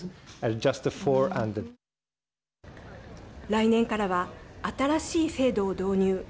来年からは新しい制度を導入。